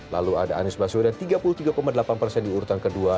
lalu ada anies baswedan tiga puluh tiga delapan persen di urutan kedua